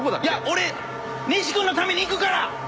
俺西君のために行くから。